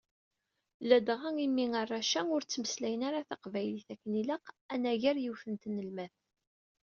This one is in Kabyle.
Ladɣa imi arrac-a ur ttmeslayen ara taqbaylit akken ilaq anagar yiwet n tnelmadt.